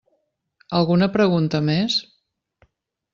Alguna pregunta més?